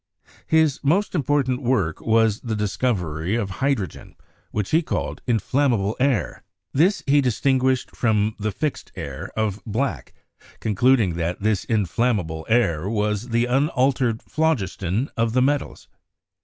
His most important work was the discovery of hydrogen, which he called "inflammable air." This he dis tinguished from the "fixed air" of Black, concluding that this "inflammable air" was the unaltered phlogiston of the metals.